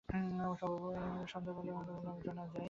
সন্ধ্যাবেলা কাজ শেষ করে বললাম, জনাব যাই।